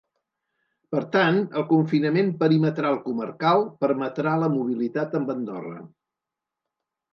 Per tant, el confinament perimetral comarcal permetrà la mobilitat amb Andorra.